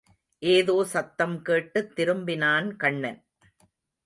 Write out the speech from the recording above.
ஏதோ சத்தம் கேட்டுத் திரும்பினான் கண்ணன்.